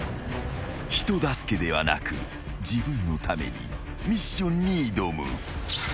［人助けではなく自分のためにミッションに挑む］